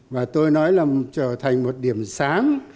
và tôi nói là trở thành một điểm sáng